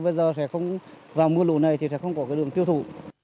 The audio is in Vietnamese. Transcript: bây giờ vào mưa lũ này thì sẽ không có cái đường tiêu thụ